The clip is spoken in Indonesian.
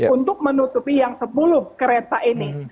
untuk menutupi yang sepuluh kereta ini